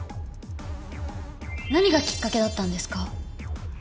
何がきっかけだったんですか？